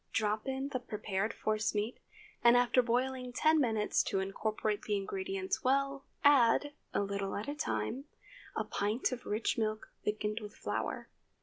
Drop in the prepared force meat, and after boiling ten minutes to incorporate the ingredients well, add, a little at a time, a pint of rich milk thickened with flour.